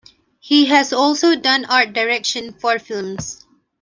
He has also done art direction for films.